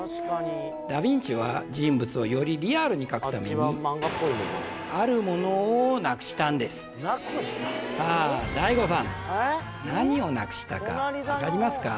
ダ・ヴィンチは人物をよりリアルに描くためにあるものをなくしたんですさあ大悟さん何をなくしたかわかりますか？